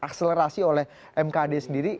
atau diakselerasi oleh mkd sendiri